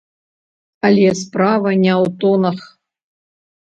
Але справа не ў тонах.